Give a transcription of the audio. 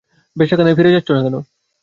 বেশ্যাখানায় ফিরে যাচ্ছ না কেন?